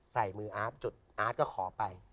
ใส่มืออาร์ตจุดอาร์ตก็ขอไป